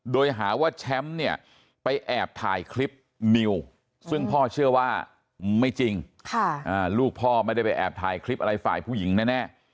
โดยหาว่าแชมป์เนี่ยไปแอบถ่ายคลิปนิวซึ่งพ่อเชื่อว่าไม่จริงลูกพ่อไม่ได้ไปแอบถ่ายคลิปอะไรฝ่ายผู้หญิงแน่